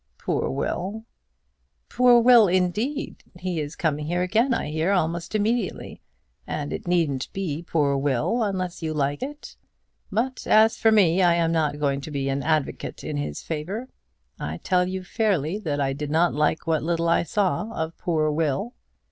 "Poor Will!" "Poor Will, indeed. He is coming here again, I hear, almost immediately, and it needn't be 'poor Will' unless you like it. But as for me, I am not going to be an advocate in his favour. I tell you fairly that I did not like what little I saw of poor Will."